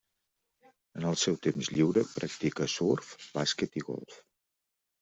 En el seu temps lliure practica surf, bàsquet i golf.